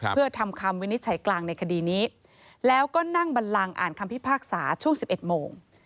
เพื่อทำคำวินิจฉัยกลางในคดีนี้แล้วก็นั่งบันลังอ่านคำพิพากษาช่วง๑๑โมง